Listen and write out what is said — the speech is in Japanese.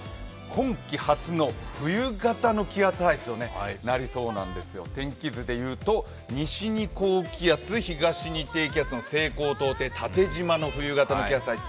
今季初の冬型の気圧配置となりそうなんですよる天気図でいうと西に高気圧、東に低気圧、西高東低、縦じまの冬型の気圧配置